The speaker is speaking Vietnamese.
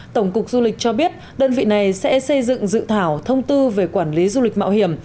tổng cục du lịch cho biết đơn vị này sẽ xây dựng dự thảo thông tư về quản lý du lịch mạo hiểm